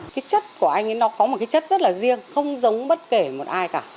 cái chất của anh ấy nó có một cái chất rất là riêng không giống bất kể một ai cả